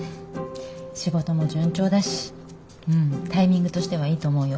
仕事も順調だしうんタイミングとしてはいいと思うよ。